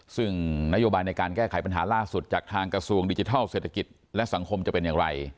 ซึ่งนโยบายในการแก้ไขปัญหาล่าสุดจากทางกระทรวงดิจิทัลเศรษฐกิจและสังคมจะเป็นอย่างไร